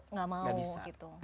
nggak mau gitu